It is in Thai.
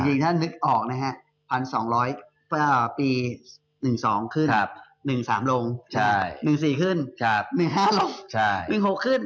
จริงถ้านึกออกนะฮะ๑๒๐๐เมื่อปี๑๒ขึ้น๑๓ลง๑๔ขึ้น๑๕ลง๑๖ขึ้น